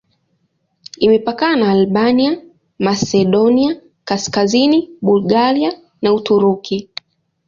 Imepakana na Albania, Masedonia Kaskazini, Bulgaria na Uturuki.